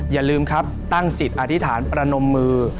อย่าลืมครับตั้งจิตอธิษฐานประนมมือ